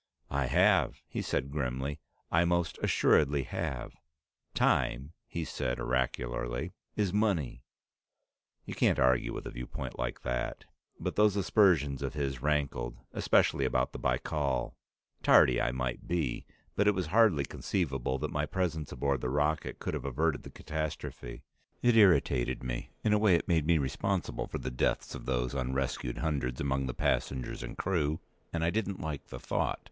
"I have," he said grimly. "I most assuredly have. Time," he said oracularly, "is money." You can't argue with a viewpoint like that. But those aspersions of his rankled, especially that about the Baikal. Tardy I might be, but it was hardly conceivable that my presence aboard the rocket could have averted the catastrophe. It irritated me; in a way, it made me responsible for the deaths of those unrescued hundreds among the passengers and crew, and I didn't like the thought.